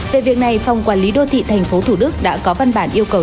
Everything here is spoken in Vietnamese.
vị thành phố thủ đức đã có văn bản yêu cầu